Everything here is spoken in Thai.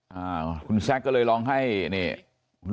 อ่าคุณแซคก็เลยลองให้นี่